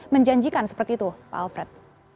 menjanjikan seperti itu pak alfred